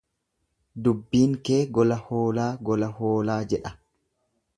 Dubbiin kee gola hoolaa gola hoolaa jedha.